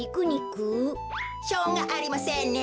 しょうがありませんね。